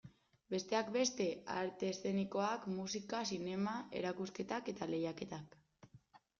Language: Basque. Besteak beste, arte eszenikoak, musika, zinema, erakusketak eta lehiaketak.